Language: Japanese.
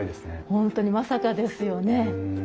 本当にまさかですよね。